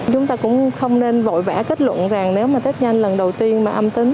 chúng ta cũng không nên vội vã kết luận rằng nếu mà tết nhanh lần đầu tiên mà âm tính